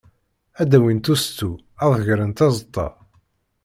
Ad d-awint ustu, ad grent aẓeṭṭa.